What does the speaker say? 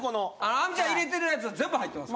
亜美ちゃん入れてるやつは全部入ってます。